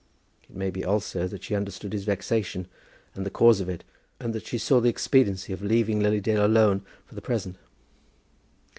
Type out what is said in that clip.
It may be, also, that she understood his vexation and the cause of it, and that she saw the expediency of leaving Lily Dale alone for the present.